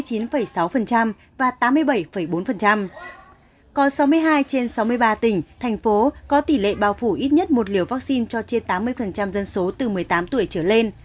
có sáu mươi hai trên sáu mươi ba tỉnh thành phố có tỷ lệ bao phủ ít nhất một liều vaccine cho trên tám mươi dân số từ một mươi tám tuổi trở lên